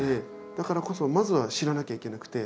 だからこそまずは知らなきゃいけなくて。